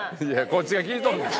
こっちが聞いとんねん！